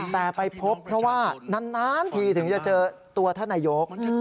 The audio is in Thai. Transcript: แต่ไปพบเพราะว่านานทีถึงจะเจอตัวท่านนายก